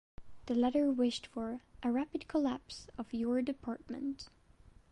The letter wished for "a rapid collapse of your department".